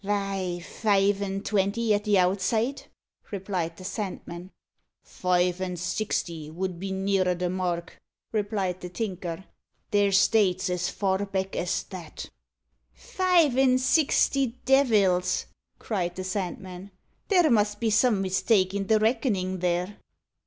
"Vy, five an' twenty at the outside," replied the Sandman. "Five an' sixty 'ud be nearer the mark," replied the Tinker. "There's dates as far back as that." "Five an' sixty devils!" cried the Sandman; "there must be some mistake i' the reckonin' there."